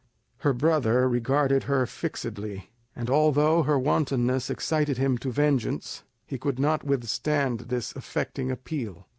Her brother regarded her fixedly, and although her wantonness excited him to vengeance, he could not withstand this affecting appeal.